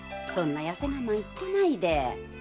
そんなやせ我慢言ってないで。